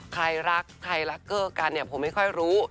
ใครรักใครรักเกอร์กันเนี่ยผมไม่ค่อยรู้